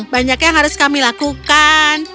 banyak yang harus kami lakukan